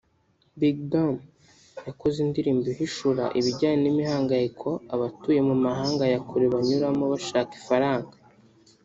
Big Dom yakoze indirimbo ihishura ibijyanye n’imihangayiko abatuye mu mahanga ya kure banyuramo bashaka ifaranga